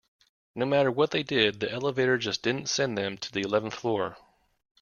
No matter what they did, the elevator just didn't send them to the eleventh floor.